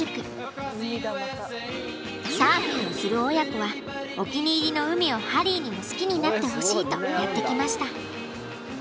サーフィンをする親子はお気に入りの海をハリーにも好きになってほしいとやって来ました。